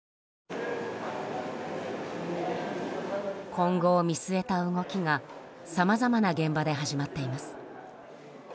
今後を見据えた動きがさまざまな現場で始まっています。